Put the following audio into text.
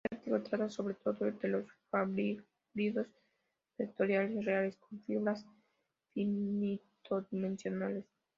Este artículo trata sobre todo de los fibrados vectoriales reales, con fibras finito-dimensionales.